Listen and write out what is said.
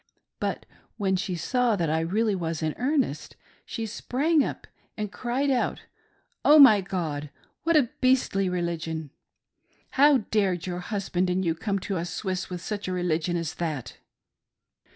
But when she saw that I really was in earnest, she sprang up and cried out :" Oh, my God ! what a beastly religion ! How dared your husband and you come to us Swiss with such a religion as that?"